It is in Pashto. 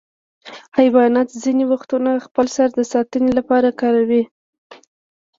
حیوانات ځینې وختونه خپل سر د ساتنې لپاره کاروي.